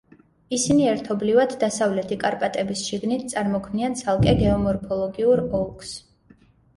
ისინი ერთობლივად დასავლეთი კარპატების შიგნით წარმოქმნიან ცალკე გეომორფოლოგიურ ოლქს.